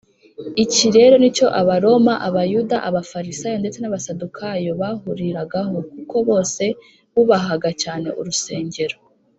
iki rero ni cyo abaroma, abayuda, abafarisayo ndetse n’abasadukayo bahuriragaho; kuko bose bubahaga cyane urusengero